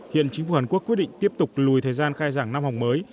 hiện chính phủ hàn quốc quyết định tiếp tục lùi thời gian khai giảng năm học mới